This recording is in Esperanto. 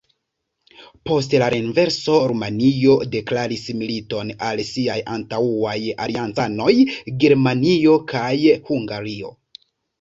Post la renverso Rumanio deklaris militon al siaj antaŭaj aliancanoj Germanio kaj Hungario.